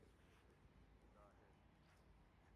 زاہد